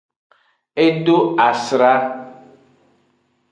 E do asra.